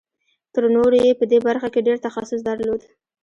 تر نورو یې په دې برخه کې ډېر تخصص درلود